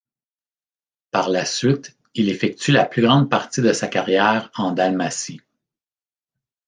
Par la suite, il effectue la plus grande partie de sa carrière en Dalmatie.